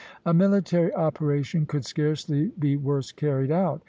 ] A military operation could scarcely be worse carried out.